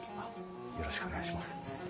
よろしくお願いします。